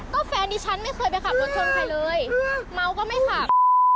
ก็แฟนดิฉันไม่เคยไปขับรถชนใครเลยเมาก็ไม่ขับ